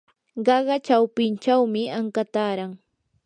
qaqa chawpinchawmi anka taaran.